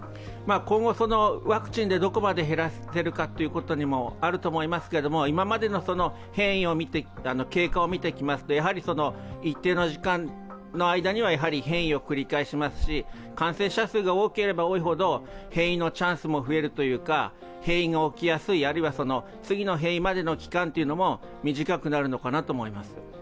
今後、ワクチンでどこまで減らせるかっていうことにもあると思いますけども今までの変異の経過を見ていきますと一定の時間の間には変異を繰り返しますし感染者数が多ければ多いほど変異のチャンスも増えるというか変異が起きやすい、あるいは次の変異までの期間というのも短くなるのかなと思います。